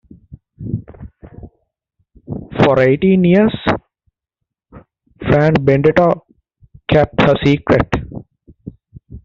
For eighteen years, Fran Benedetto kept her secret.